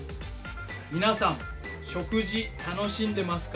皆さん食事楽しんでますか？